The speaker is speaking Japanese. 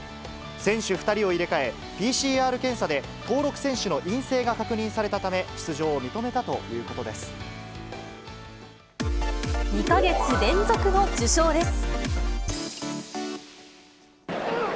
選手２人を入れ替え、ＰＣＲ検査で登録選手の陰性が確認されたた２か月連続の受賞です。